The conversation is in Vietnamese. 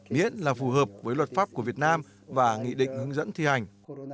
miễn là phù hợp với luật pháp của việt nam và nghị định hướng dẫn thi hành